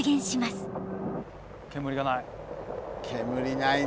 煙がない。